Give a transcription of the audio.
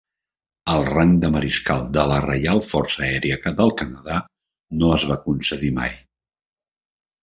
El rang de mariscal de la Reial Força Aèria del Canadà no es va concedir mai.